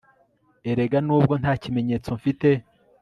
erega nubwo nta kimenyetso mfite